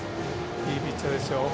いいピッチャーですよ。